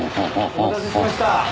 お待たせしました。